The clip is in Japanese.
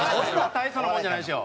大層なものじゃないでしょ。